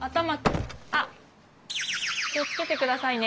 あっ気を付けてくださいね。